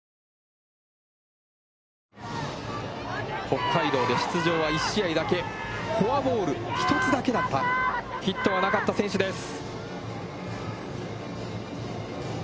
北海道で出場は１試合だけ、フォアボール１つだけ、ヒットはなかった選手です。